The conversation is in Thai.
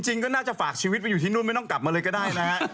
ก็น่าจะฝากชีวิตไปอยู่ที่นู่นไม่ต้องกลับมาเลยก็ได้นะฮะ